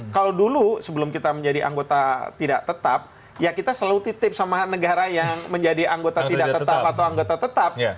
kalau dulu sebelum kita menjadi anggota tidak tetap ya kita selalu titip sama negara yang menjadi anggota tidak tetap atau anggota tetap